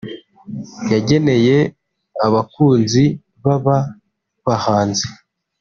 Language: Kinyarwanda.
yageneye abakunzi b’aba bahanzi